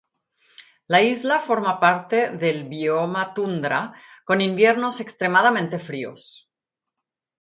La isla forma parte del bioma tundra, con inviernos extremadamente fríos.